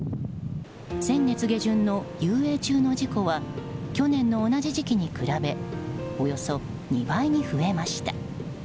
先月下旬の遊泳中の事故は去年の同じ時期と比べおよそ２倍に増えました。